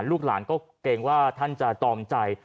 ลูกหลานก็เกรงว่าท่านจะตอมใจ